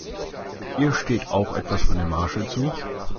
Ihr steht auch etwas von der Marge zu.